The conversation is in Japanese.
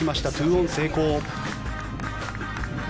２オン成功。